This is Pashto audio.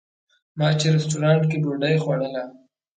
ما چې رسټورانټ کې ډوډۍ خوړله.